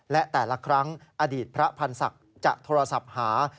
และแต่ละครั้งอดีตพระพันธ์ศักดิ์จะโทรศัพท์หา